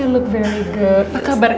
apa kabarnya baik